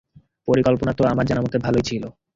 পরিকল্পনা তো আমার জানামতে ভালোই ছিল।